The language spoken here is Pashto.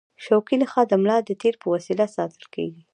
شوکي نخاع د ملا د تیر په وسیله ساتل کېږي.